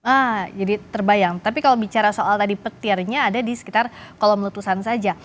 ah jadi terbayang tapi kalau bicara soal tadi petirnya ada di sekitar kolom letusan saja